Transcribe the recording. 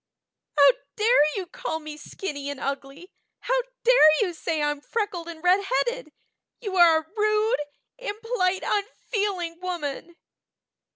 "How dare you call me skinny and ugly? How dare you say I'm freckled and redheaded? You are a rude, impolite, unfeeling woman!"